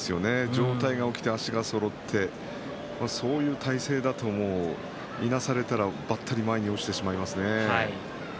上体が起きて足がそろってそういう体勢だといなされたらばったり前に落ちてしまいますね。